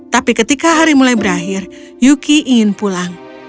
tapi ketika hari mulai berakhir yuki ingin pulang